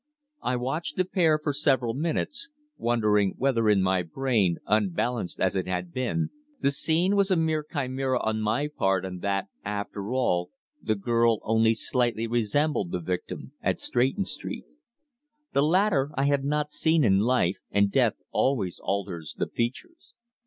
I watched the pair for several minutes, wondering whether in my brain, unbalanced as it had been, the scene was a mere chimera on my part and that, after all, the girl only slightly resembled the victim at Stretton Street. The latter I had not seen in life, and death always alters the features.